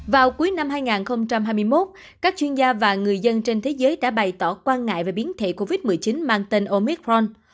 vào cuối năm hai nghìn hai mươi một các chuyên gia và người dân trên thế giới đã bày tỏ quan ngại về biến thể covid một mươi chín mang tên omic ron